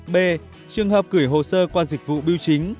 b trường hợp gửi hồ sơ qua dịch vụ biêu chính